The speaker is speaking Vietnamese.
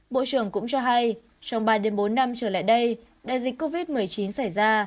bộ trưởng cũng cho hay trong ba bốn năm trở lại đây đại dịch covid một mươi chín xảy ra